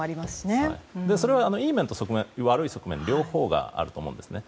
それは、いい側面と悪い側面両方があると思うんですね。